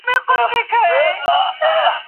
زه اوس د سبا لپاره د نوټونو ليکل کوم.